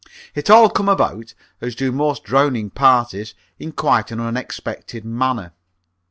It all come about, as do most drowning parties, in quite an unexpected manner.